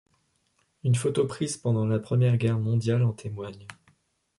Une photo prise pendant la Première Guerre mondiale en témoigne.